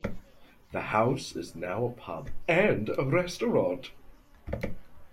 The house is now a pub and restaurant.